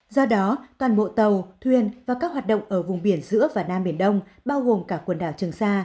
do đó toàn bộ tàu thuyền và các hoạt động ở vùng biển giữa và nam biển đông bao gồm cả quần đảo trường sa